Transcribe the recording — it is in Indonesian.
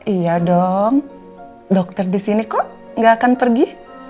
iya dong dokter disini kok gak akan pergi